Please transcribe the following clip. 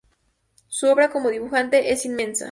Su obra como dibujante es inmensa.